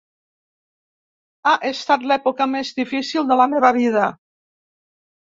Ha estat l'època més difícil de la meva vida.